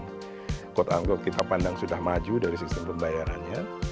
yang kota anggok kita pandang sudah maju dari sistem pembayarannya